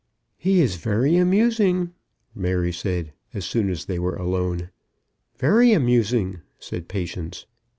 "He is very amusing," Mary said, as soon as they were alone. "Very amusing," said Patience.